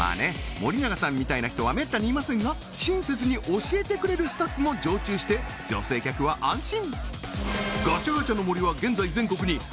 森永さんみたいな人はめったにいませんが親切に教えてくれるスタッフも常駐して女性客は安心！